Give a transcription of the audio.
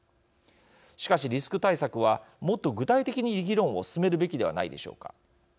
しかし、リスク対策はもっと具体的に議論を進めるべきではないでしょうか。